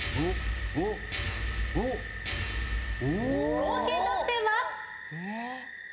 合計得点は。